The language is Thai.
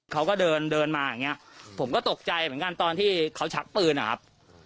เขาก็เดินเดินมาอย่างเงี้ยผมก็ตกใจเหมือนกันตอนที่เขาชักปืนนะครับ